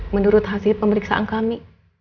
menurut hasil pemeriksaan kami